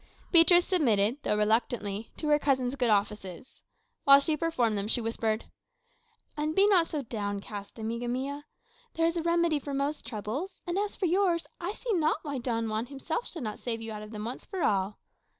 Beatriz submitted, though reluctantly, to her cousin's good offices. While she performed them she whispered, "And be not so downcast, amiga mia. There is a remedy for most troubles. And as for yours, I see not why Don Juan himself should not save you out of them once for all."